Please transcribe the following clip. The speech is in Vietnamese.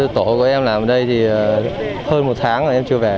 tổ của em làm ở đây thì hơn một tháng là em chưa về